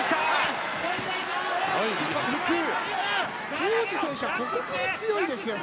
皇治選手はここから強いですよね。